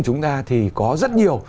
chúng ta thì có rất nhiều